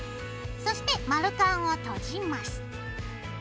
そして丸カンを閉じます。